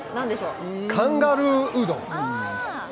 カンガルーうどん？